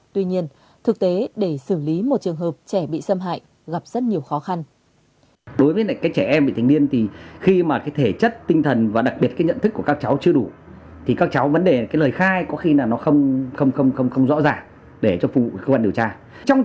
tuy nhiên thực tế để xử lý một trường hợp trẻ bị xâm hại gặp rất nhiều khó khăn